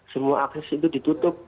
semua akses itu ditutup